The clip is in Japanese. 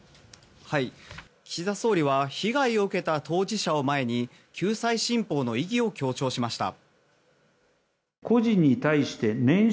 岸田総理は被害を受けた当事者を前に救済新法の意義を強調しました。